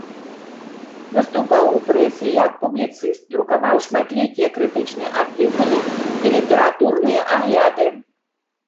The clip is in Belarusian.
Выступаў у прэсе як публіцыст, друкаваў шматлікія крытычныя артыкулы і літаратурныя агляды.